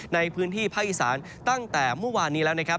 ในพื้นที่ภาคอีสานตั้งแต่เมื่อวานนี้แล้วนะครับ